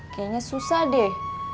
kayaknya susah deh